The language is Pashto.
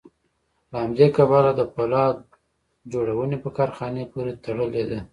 له همدې کبله د پولاد جوړونې په کارخانې پورې تړلې ده